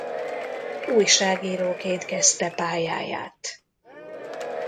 Újságíróként kezdte pályáját.